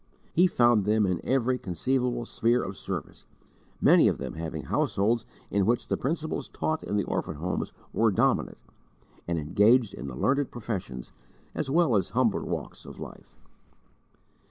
He found them in every conceivable sphere of service, many of them having households in which the principles taught in the orphan homes were dominant, and engaged in the learned professions as well as humbler walks of life.